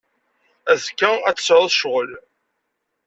Azekka ad tesɛuḍ ccɣel.